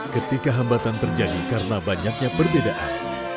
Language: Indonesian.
ketika hambatan terjadi karena banyaknya perbedaan